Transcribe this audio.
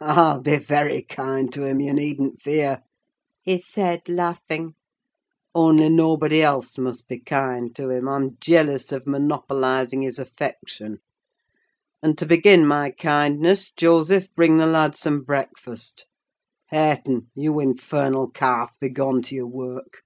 "I'll be very kind to him, you needn't fear," he said, laughing. "Only nobody else must be kind to him: I'm jealous of monopolising his affection. And, to begin my kindness, Joseph, bring the lad some breakfast. Hareton, you infernal calf, begone to your work.